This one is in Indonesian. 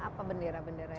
apa bendera bendera ini